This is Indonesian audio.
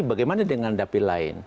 bagaimana dengan dapil lain